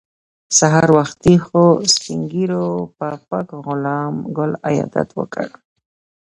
سهار وختي څو سپین ږیرو د پک غلام ګل عیادت وکړ.